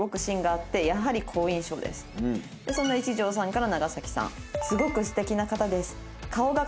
そんな一条さんから長さん。